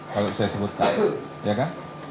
kalau saya sebutkan